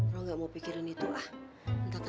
nggak mau pikirin itu lah